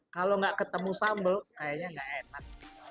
kalau nggak ketemu sambal kayaknya nggak enak